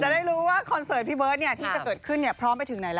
ได้รู้ว่าคอนเสิร์ตพี่เบิร์ตที่จะเกิดขึ้นพร้อมไปถึงไหนล่ะ